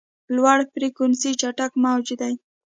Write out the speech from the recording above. لوړ فریکونسي چټک موج دی.